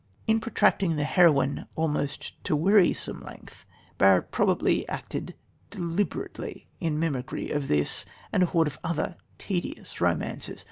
In protracting The Heroine almost to wearisome length, Barrett probably acted deliberately in mimicry of this and a horde of other tedious romances.